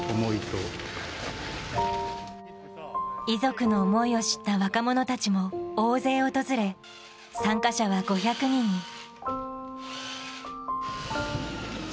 遺族の思いを知った若者たちも大勢訪れ、参加者は５００人に。